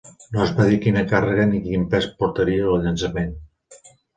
No es va dir quina càrrega ni quin pes portaria el llançament.